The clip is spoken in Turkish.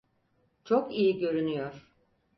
Çok iyi görünüyor.